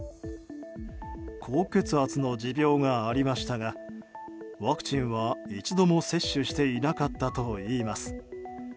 高血圧の持病がありましたがワクチンは一度も接種していなかったといいます。